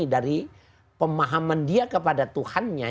dari pemahaman dia kepada tuhannya